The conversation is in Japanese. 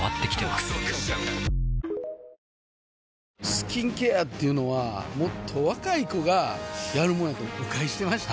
スキンケアっていうのはもっと若い子がやるもんやと誤解してました